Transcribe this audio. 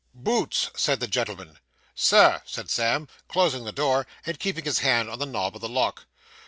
'Boots,' said the gentleman. 'Sir,' said Sam, closing the door, and keeping his hand on the knob of the lock.